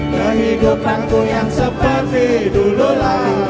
kebebasanku yang seperti dulu lagi